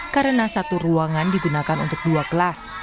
karena satu ruangan digunakan untuk dua kelas